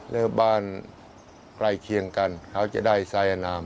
แล้วบ้านใกล้เคียงกันเขาจะได้สายอนาม